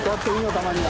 たまには。